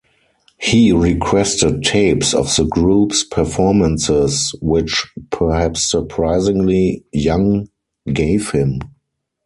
He requested tapes of the group's performances which, perhaps surprisingly, Young gave him.